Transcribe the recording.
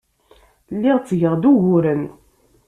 Lliɣ ttgeɣ-d uguren.